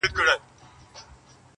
د تورو زلفو له ښامار سره مي نه لګیږي-